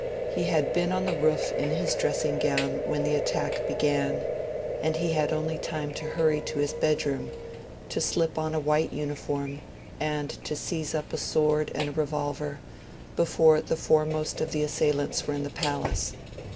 He had been on the roof, in his dressing gown, when the attack began; and he had only time to hurry to his bedroom, to slip on a white uniform, and to seize up a sword and a revolver, before the foremost of the assailants were in the palace.